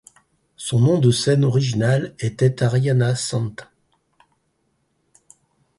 Son nom de scène original était Arianna St.